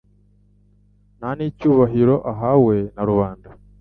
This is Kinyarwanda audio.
nta n'icyubahiro ahawe na rubanda.